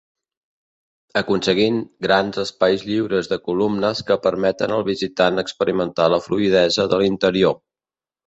Aconseguint grans espais lliures de columnes que permeten al visitant experimentar la fluïdesa de l'interior.